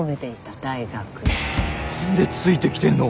何でついてきてんの！？